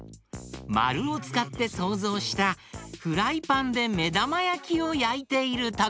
まるをつかってそうぞうしたフライパンでめだまやきをやいているところ。